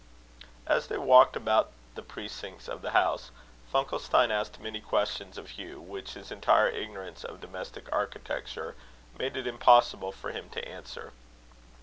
As they walked about the precincts of the house, Funkelstein asked many questions of Hugh, which his entire ignorance of domestic architecture made it impossible for him to answer.